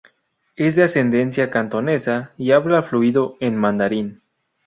Es de ascendencia cantonesa y habla fluido en mandarín.